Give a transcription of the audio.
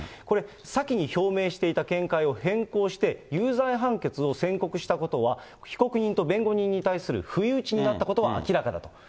これ、先に表明していた見解を変更して、有罪判決を宣告したことは、被告人と弁護人に対する不意打ちになったことは明らかだと。